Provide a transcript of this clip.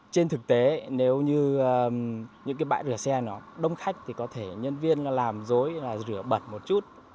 trên thực tế nếu như những bãi rửa xe đông khách thì có thể nhân viên làm dối rửa bật một chút